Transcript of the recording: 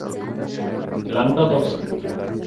Planta tóxica.